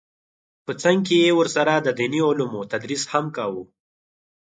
په څنګ کې یې ورسره د دیني علومو تدریس هم کاوه